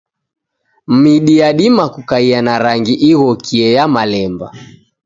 Midi yadima kukaia na rangi ighokie ya malemba.